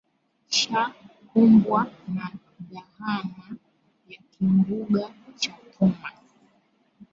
sha kumbwa na dhahama ya kimbunga cha thomas